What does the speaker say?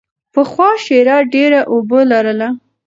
پخوا شیره ډېره اوبه لرله.